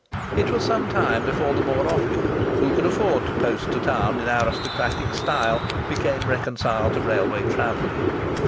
It was some time before the more opulent, who could afford to post to town in aristocratic style, became reconciled to railway travelling.